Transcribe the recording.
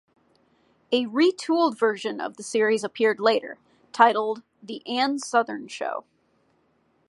A retooled version of the series appeared later, titled "The Ann Sothern Show".